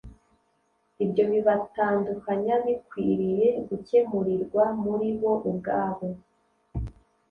Ibyo bibatandukanya bikwiriye gukemurirwa muri bo ubwabo